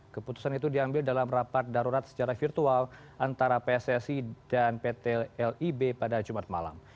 keputusan itu diambil dalam rapat darurat secara virtual antara pssi dan pt lib pada jumat malam